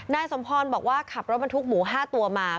นายสมพรบอกว่าขับรถบรรทุกหมู๕ตัวมา